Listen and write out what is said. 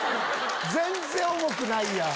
全然重くないやん！